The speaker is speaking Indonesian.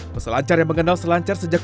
peselancar yang mengenal selancar sejak